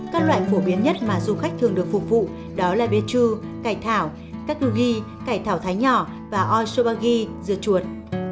các loại phổ biến nhất mà du khách thường được phục vụ đó là bê chu cải thảo cacu ghi cải thảo thái nhỏ và oi soba ghi dưa chuột